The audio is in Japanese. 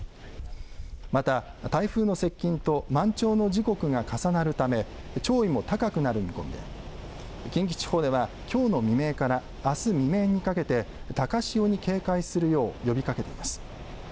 また台風の接近と満潮の時刻が重なるため、潮位も高くなる見込みで近畿地方では、きょうの未明からあす未明にかけて高潮に警戒するよう呼びかけています。